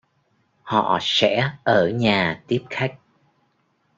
Họ sẽ ở nhà tiếp khách